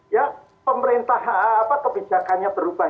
ya pemerintah kebijakannya berubah